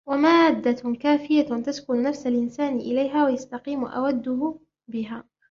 وَمَادَّةٌ كَافِيَةٌ تَسْكُنُ نَفْسُ الْإِنْسَانِ إلَيْهَا وَيَسْتَقِيمُ أَوَدُهُ بِهَا